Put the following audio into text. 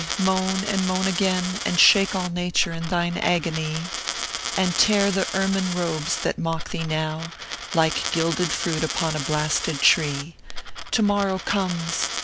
moan and moan again, And shake all Nature in thine agony, And tear the ermine robes that mock thee now Like gilded fruit upon a blasted tree ; To morrow comes